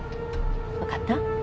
分かった？